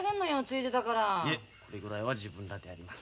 いえこれぐらいは自分らでやります。